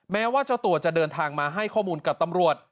แม้ว่าเจ้าตัวจะเดินทางมาให้ข้อมูลกับตำรวจ